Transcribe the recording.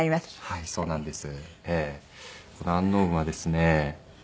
はいそうなんです。